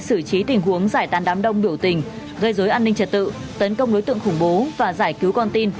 xử trí tình huống giải tàn đám đông biểu tình gây dối an ninh trật tự tấn công đối tượng khủng bố và giải cứu con tin